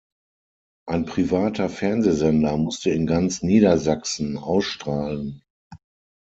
Ein privater Fernsehsender musste in ganz Niedersachsen ausstrahlen.